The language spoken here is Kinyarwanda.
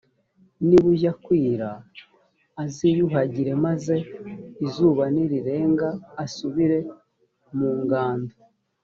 nibujya kwira aziyuhagire, maze izuba nirirenga asubire mu ngando.